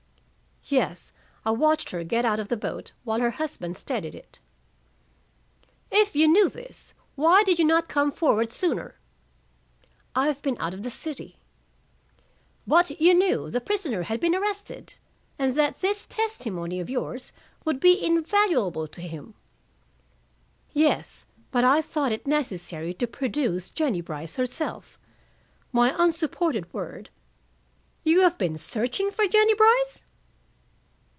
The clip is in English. "Yes. I watched her get out of the boat, while her husband steadied it." "If you knew this, why did you not come forward sooner?" "I have been out of the city." "But you knew the prisoner had been arrested, and that this testimony of yours would be invaluable to him." "Yes. But I thought it necessary to produce Jennie Brice herself. My unsupported word " "You have been searching for Jennie Brice?"